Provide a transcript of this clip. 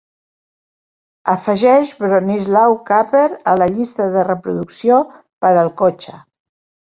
Afegeix Bronislau Kaper a la llista de reproducció per al cotxe.